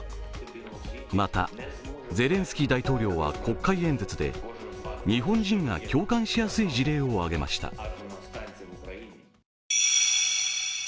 また、ゼレンスキー大統領は国会演説で日本人が共感しやすい事例を挙げました。